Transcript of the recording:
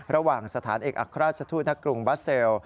ระหว่างสถานเอกอัครราชทูตณกรุงบัสเซล